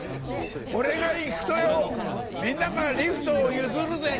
俺が行くとよぉみんながリフトを譲るぜ！